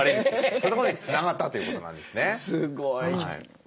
それまでにつながったということなんですね。